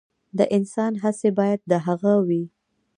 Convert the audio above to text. د انسان هڅې باید د هغه وي.